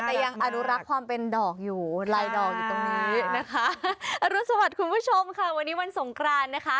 แต่ยังอรุรักษ์ความเป็นดอกอยู่ลายดอกอยู่ตรงนี้นะคะ